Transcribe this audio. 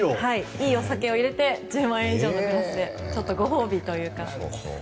いいお酒をいれて１０万円以上のグラスでご褒美というか。